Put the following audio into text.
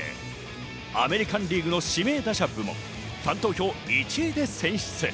アメリカン・リーグの指名打者部門、ファン投票１位で選出。